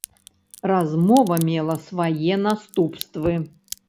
Размова мела свае наступствы.